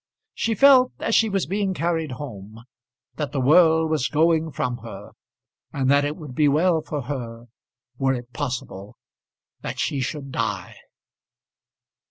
She felt, as she was being carried home, that the world was going from her, and that it would be well for her, were it possible, that she should die.